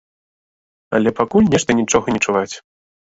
Але пакуль нешта нічога не чуваць.